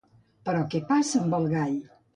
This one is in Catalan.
Però què passa amb el gall?